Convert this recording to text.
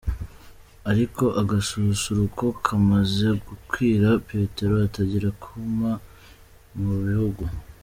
Ariko agasusuruko kamaze gukwira, Petero atangira kwuma mu mihogo.